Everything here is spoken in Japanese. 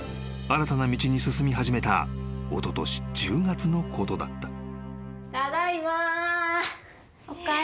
新たな道に進み始めたおととし１０月のことだった］